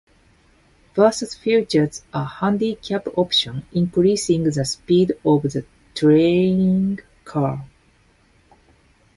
Versus features a handicap option, increasing the speed of the trailing car.